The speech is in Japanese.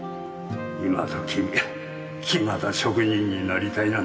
今時木型職人になりたいなんて。